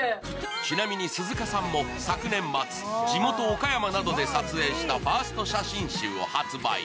ちなみに鈴鹿さんも昨年末地元・岡山などで撮影したファースト写真集を発売。